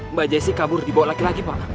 mbak jessy kabur dibawa lagi lagi pak